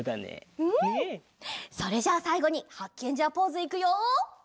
それじゃあさいごにハッケンジャーポーズいくよ！